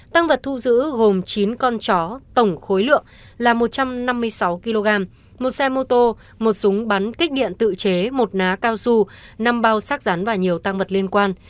tăng vật thu giữ gồm chín con chó tổng khối lượng là một trăm năm mươi sáu kg một xe mô tô một súng bắn kích điện tự chế một ná cao su năm bao xác rắn và nhiều tăng vật liên quan